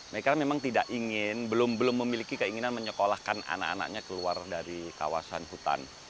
mereka memang tidak ingin belum memiliki keinginan menyekolahkan anak anaknya keluar dari kawasan hutan